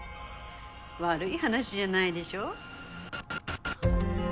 悪い話じゃないでしょ？